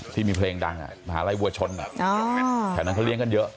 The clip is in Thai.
ที่มีเพลงดังมหาลัยวัวชนแถวนั้นเขาเลี้ยงกันเยอะ